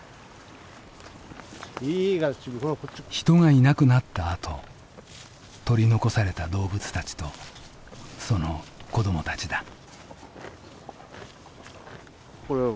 人がいなくなったあと取り残された動物たちとその子供たちだ。